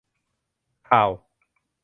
ข่าว !